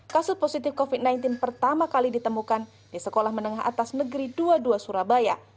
kasus positif covid sembilan belas pertama kali ditemukan di sekolah menengah atas negeri dua puluh dua surabaya